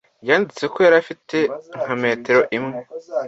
yanditse ko yari afite nka metero imwe